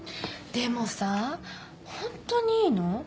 でもさほんとにいいの？